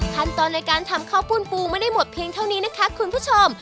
ขั้นตอนในการทำข้าวปุ้นปูไม่ได้หมดเพียงเท่านี้นะคะคุณผู้ชม